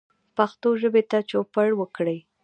پښتو ژبې ته چوپړ وکړئ